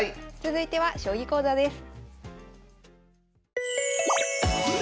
続いては将棋講座です。